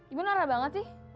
ibu naras banget sih